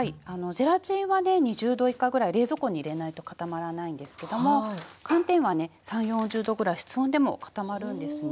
ゼラチンはね２０℃以下ぐらい冷蔵庫に入れないと固まらないんですけども寒天はね３０４０℃ぐらい室温でも固まるんですね。